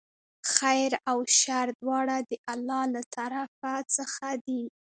خیر او شر دواړه د الله له طرفه څخه دي.